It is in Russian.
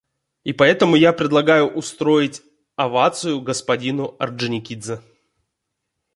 И поэтому я предлагаю устроить овацию господину Орджоникидзе.